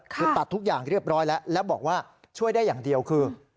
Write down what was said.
คือตัดทุกอย่างเรียบร้อยแล้วแล้วบอกว่าช่วยได้อย่างเดียวคือ